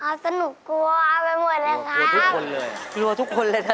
เอาสนุกกลัวเอาไปหมดเลยครับ